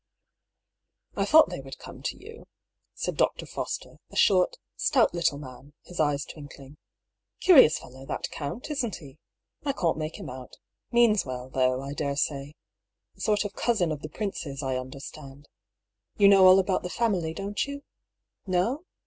" I thought they would come to yon," said Dr. Fos ter, a short, stout little man, his eyes twinkling. Cu rious fellow, that count, isn't he ? I can't make him out Means well, though, I daresay. A sort of cousin of the prince's, I understand. You know all about the family, don't you? Ko?